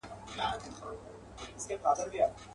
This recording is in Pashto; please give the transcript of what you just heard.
نه لوګی نه مي لمبه سته جهاني رنګه ویلېږم.